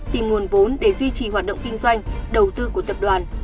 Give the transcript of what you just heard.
tìm nguồn vốn để duy trì hoạt động kinh doanh đầu tư của tập đoàn